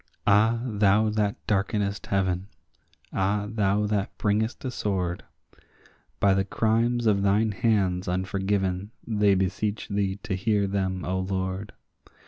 Ah, thou that darkenest heaven—ah, thou that bringest a sword— By the crimes of thine hands unforgiven they beseech thee to hear them, O Lord.